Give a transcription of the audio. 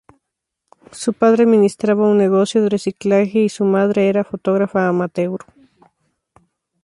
Su padre administraba un negocio de reciclaje y su madre era fotógrafa amateur.